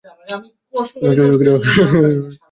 এবং ছোট শিশুদের মতো হাঁটু গেড়ে বসে গেলেন।